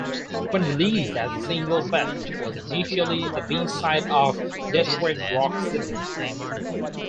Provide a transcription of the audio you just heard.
When released as a single, "Beth" was initially the B-side of "Detroit Rock City".